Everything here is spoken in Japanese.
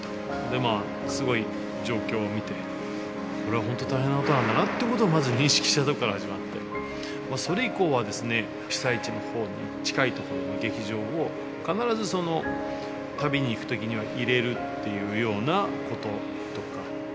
まあ、すごい状況を見て、これは本当大変なことなんだなってことをまず認識したとこから始まって、それ以降は、被災地のほうに近い所の劇場を、必ず旅に行くときには入れるというようなこととか。